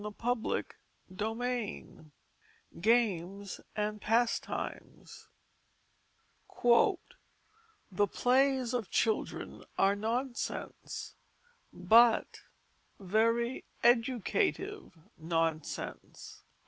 CHAPTER XVII GAMES AND PASTIMES _The plays of children are nonsense but very educative nonsense.